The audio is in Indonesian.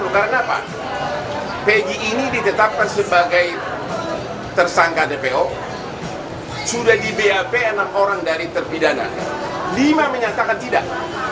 karena apa pg ini ditetapkan sebagai tersangka dpo sudah di bap enam orang dari terpidana lima menyatakan tidak